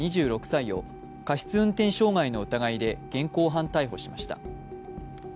２６歳を過失運転傷害の疑いで現行犯逮捕しました。